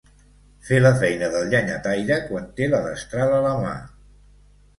Fer la feina del llenyataire quan té la destral a la mà.